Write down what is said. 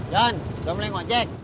jan udah mulai ngajek